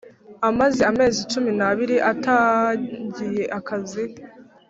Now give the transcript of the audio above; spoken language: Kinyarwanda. Amaze amezi cumi n’abiri atangiye akazi